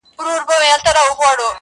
په يويشتم قرن کي داسې محبت کومه